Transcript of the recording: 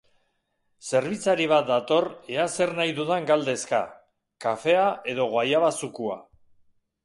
Zerbitzari bat dator ea zer nahi dudan galdezka, kafea edo guayaba zukua.